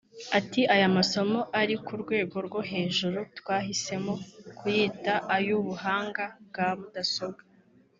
Ati “Aya masomo ari ku rwego rwo hejuru twahisemo kuyita ay’ubuhanga bwa mudasobwa